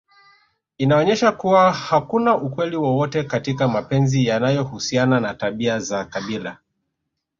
Inaonyesha kuwa hakuna ukweli wowote katika mapenzi yanayohusiana na tabia za kabila